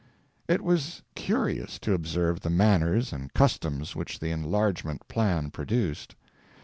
It was curious to observe the manners and customs which the enlargement plan produced.